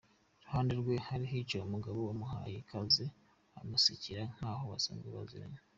Iruhande rwe hari hicaye umugabo wamuhaye ikaze amusekera nk’aho basanzwe baziranye.